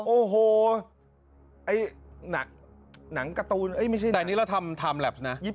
โอ้โหไอหนักหนังการ์ตูแต่นี่เราทำไทม์แล็ปนะ